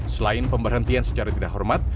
selain pemberhentian secara tidak hormat